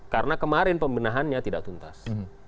karena kemarin pembenahannya tidak tuntas